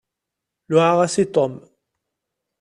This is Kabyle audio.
Luɛaɣ-as i Tom.